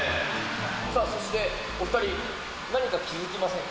さあ、そしてお２人、何か気付きませんか？